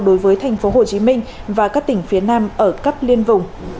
đối với thành phố hồ chí minh và các tỉnh phía nam ở cấp liên vùng